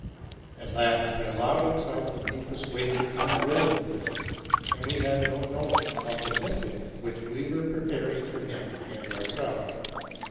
At last he allowed himself to he persuaded unwillingly, and we had no notion of the mischief which we were preparing for him and ourselves.